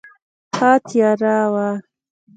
ښه تیاره وه.